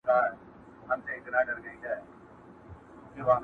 o دوې هندوانې په يوه لاس کي نه نيول کېږي٫